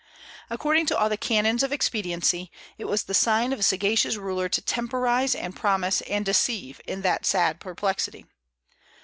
According to all the canons of expediency, it was the sign of a sagacious ruler to temporize and promise and deceive in that sad perplexity.